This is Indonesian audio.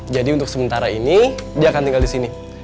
jadi untuk sementara ini dia akan tinggal disini